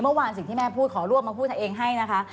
เมื่อวานสิ่งที่แม่พูดขอรวบมาพูดเอาเองให้นะคะ